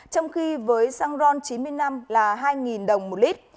trong khi với xăng ron chín mươi năm là hai đồng một lít